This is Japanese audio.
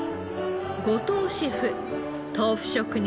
後藤シェフ豆腐職人